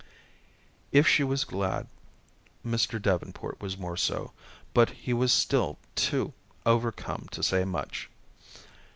If she was glad, Mr. Davenport was more so, but he was still too overcome to say much.